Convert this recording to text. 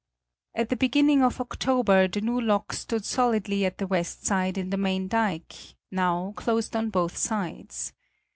At the beginning of October, the new lock stood solidly at the west side in the main dike, now closed on both sides.